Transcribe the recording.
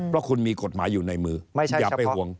เพราะคุณมีกฎหมายอยู่ในมืออย่าไปห่วง